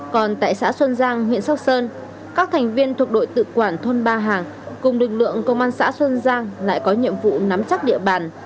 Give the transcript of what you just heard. còn tại xã xuân giang huyện sóc sơn các thành viên thuộc đội tự quản thôn ba hàng cùng lực lượng công an xã xuân giang lại có nhiệm vụ nắm chắc địa bàn